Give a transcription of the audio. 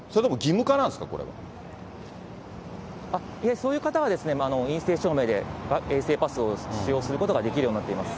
そういう方は、陰性証明で衛生パスを使用することができるようになっています。